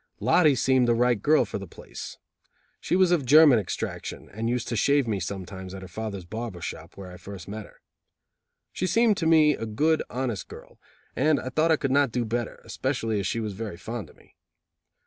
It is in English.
Lottie seemed the right girl for the place. She was of German extraction, and used to shave me sometimes at her father's barber shop, where I first met her. She seemed to me a good, honest girl, and I thought I could not do better, especially as she was very fond of me.